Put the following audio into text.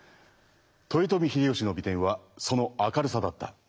豊臣秀吉の美点はその明るさだった。